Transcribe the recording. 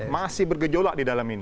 masih bergejolak di dalam ini